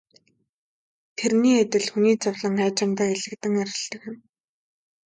Тэрний адил хүний зовлон аажимдаа элэгдэн арилдаг юм.